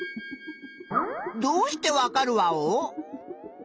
どうして分かるワオ？